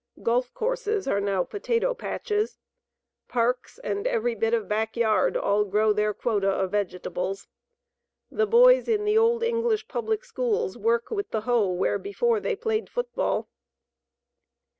Golf courses are now potato patches. Parks and every bit of back yard all grow their quota of vegetables. The boys in the old English public schools work with the hoe where before they played football.